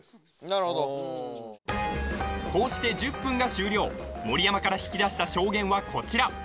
なるほどこうして１０分が終了盛山から引き出した証言はこちら